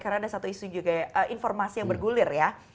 karena ada satu isu juga informasi yang bergulir ya